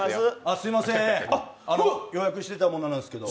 すみません、予約していた者なんですけど。